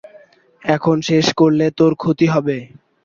এখন শেষ করলে তোর ক্ষতি হবে।